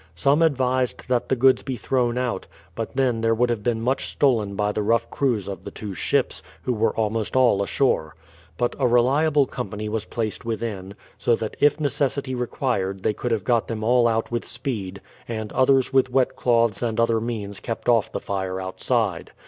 Some advised that the goods be thrown out; but then there would have been much stolen by the rough crews of the two ships, who were almost all ashore. But a reliable com'pany was placed within, so that if necessity required they could have got them all out with speed, and others with wet cloths and other means kept off the fire outside.